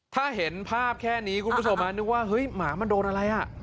ถ้าเห็นภาพแค่นี้คุณผู้ชมนึกว่าเฮ้ยหมามันโดนอะไรอ่ะ